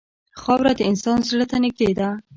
خاوره د انسان زړه ته نږدې ده.